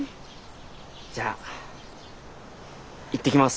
じゃあ行ってきます。